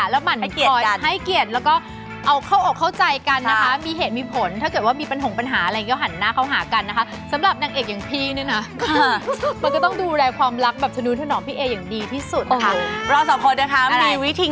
รักกันมากแล้วมันคอยให้เกียรติ